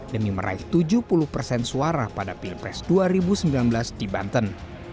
demi meraih tujuh puluh persen suara pada pilpres dua ribu sembilan belas di banten